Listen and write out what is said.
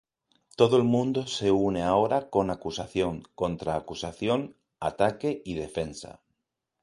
Todo el mundo se une ahora con acusación, contra acusación, ataque y defensa.